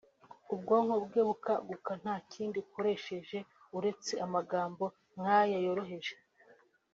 ubwonko bwe bukaguka nta kindi ukoresheje uretse amagambo nk’aya yoroheje